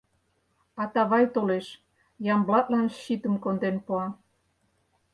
Атавай толеш, Ямблатлан щитым конден пуа.